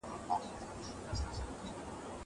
که وخت وي، بازار ته ځم.